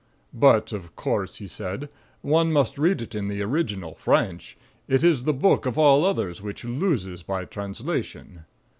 "But of course," he said, "one must read it in the original French. It is the book of all others which loses by translation."